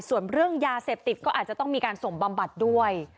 ส่วนเรื่องยาเสพติดก็อาจจะต้องมีการส่งบำบัดด้วย